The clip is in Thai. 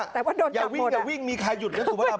แต่ว่าอย่าวิ่งมีใครหยุดกับสุภาพร